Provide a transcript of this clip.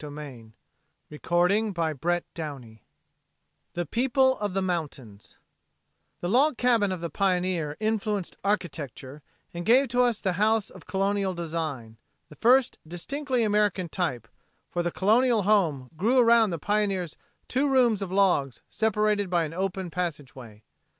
III The People of the Mountains The log cabin of the pioneer influenced architecture and gave to us the house of Colonial design, the first distinctively American type, for the Colonial home grew around the pioneer's two rooms of logs separated by an open passageway.